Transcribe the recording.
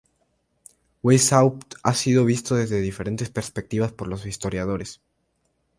Weishaupt ha sido visto desde diferentes perspectivas por los historiadores.